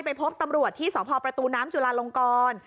ไปพบตำรวจที่สพประตูน้ำจุลาลงกร